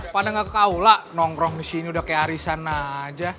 pada gak kekau lah nongkrong di sini udah kayak hari sana aja